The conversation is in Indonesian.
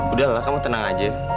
udahlah kamu tenang aja